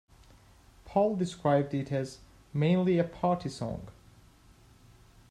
Paul described it as ...mainly a party song.